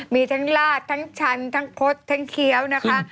มีทั้งลาดทั้งชันทั้งคดทั้งเคี้ยวนะคะ